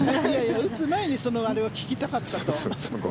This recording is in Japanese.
打つ前にそれを聞きたかったと。